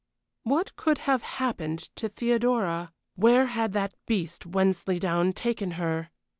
What could have happened to Theodora? Where had that beast Wensleydown taken her?